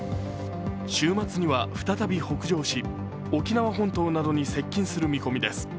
週末には再び北上し沖縄本島などに接近する見込みです。